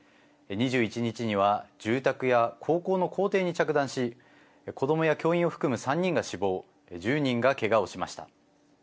２１日には住宅や高校の校庭に着弾し子どもや教員を含む３人が死亡１０人が、けがをしました。